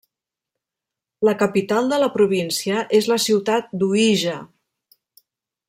La capital de la província és la ciutat d'Uíge.